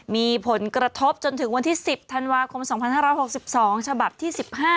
มีผลกระทบจนถึงวันที่๑๐ธันวาคม๒๕๖๒ฉบับที่๑๕